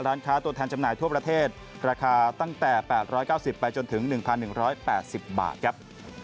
ร้านค้าตัวแทนจำหน่ายทั่วประเทศราคาตั้งแต่๘๙๐ไปจนถึง๑๑๘๐บาทครับ